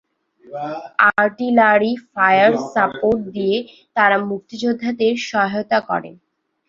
Artillery fire support দিয়ে তারা মুক্তিযোদ্ধাদের সহায়তা করেন।